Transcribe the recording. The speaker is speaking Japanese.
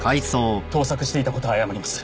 盗作していたこと謝ります。